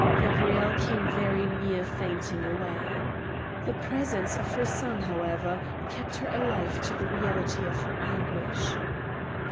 Gabrielle came very near fainting away. The presence of her son, however, kept her alive to the reality of her anguish.